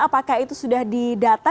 apakah itu sudah di data